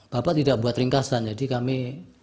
bapak tidak buat ringkasan jadi kami